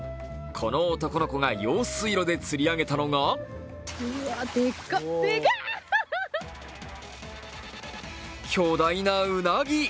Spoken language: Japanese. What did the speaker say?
この男の子が用水路で釣り上げたのが巨大なうなぎ！